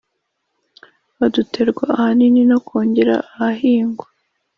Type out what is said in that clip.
budaterwa ahanini no kongera ahahingwa